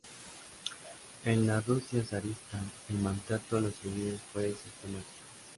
En la Rusia zarista, el maltrato a los judíos fue sistemático.